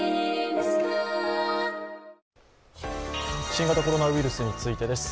新型コロナウイルスについてです。